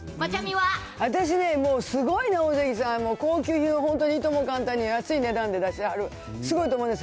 私ね、もうすごいね、オオゼキさん、高級品をいとも簡単に安い値段で出してはる、すごいと思いますよ。